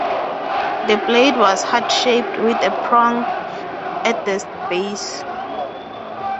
The blade was heart-shaped with a prong at the base.